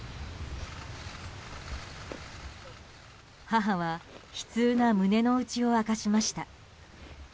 母は悲痛な胸の内を明かしました。